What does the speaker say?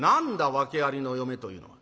訳ありの嫁というのは？」